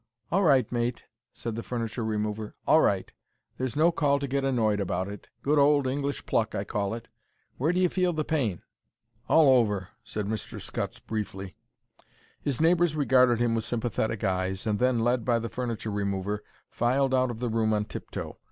"All right, mate," said the furniture remover; "all right. There's no call to get annoyed about it. Good old English pluck, I call it. Where d'you feel the pain?" "All over," said Mr. Scutts, briefly. His neighbours regarded him with sympathetic eyes, and then, led by the furniture remover, filed out of the room on tip toe.